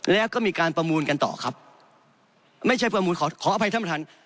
แล้วก็มีการประมูลกันต่อครับไม่ใช่ประมูลขอขออภัยท่านประธาน